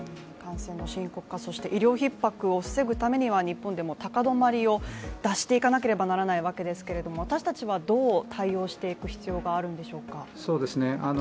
感染の深刻化医療ひっ迫を防ぐためには日本でも高止まりを脱していかなければならないわけですけど私たちはどう対応していく必要があるんでしょうか？